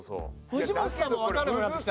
藤本さんもわかんなくなってきたな。